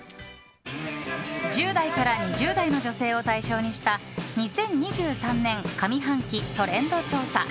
１０代から２０代の女性を対象にした２０２３年上半期トレンド調査。